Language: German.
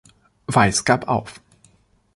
Weiß gab auf.